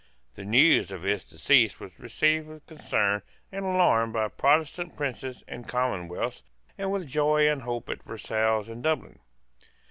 The news of his decease was received with concern and alarm by Protestant princes and commonwealths, and with joy and hope at Versailles and Dublin.